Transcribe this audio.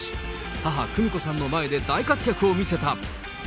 母、久美子さんの前で大活躍を見せた。